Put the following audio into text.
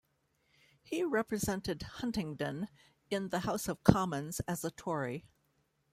He represented Huntingdon in the House of Commons as a Tory.